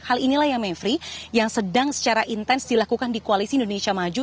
hal inilah yang mevri yang sedang secara intens dilakukan di koalisi indonesia maju